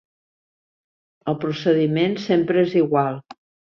El procediment sempre és igual.